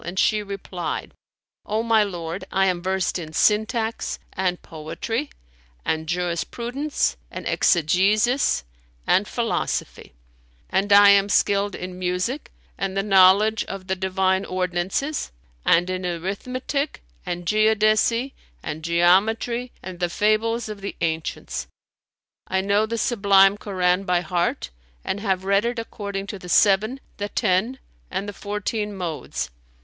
and she replied, "O my lord, I am versed in syntax and poetry and jurisprudence and exegesis and philosophy; and I am skilled in music and the knowledge of the Divine ordinances and in arithmetic and geodesy and geometry and the fables of the ancients. I know the Sublime Koran by heart and have read it according to the seven, the ten and the fourteen modes.